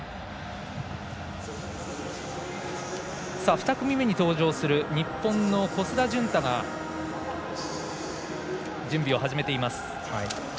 ２組目に登場する日本の小須田潤太が準備を始めています。